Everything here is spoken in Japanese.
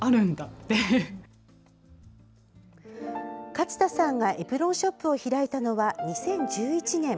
勝田さんがエプロンショップを開いたのは２０１１年。